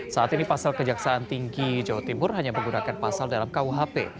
saat ini pasal kejaksaan tinggi jawa timur hanya menggunakan pasal dalam kuhp